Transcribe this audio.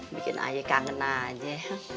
bikin ayah kangen aja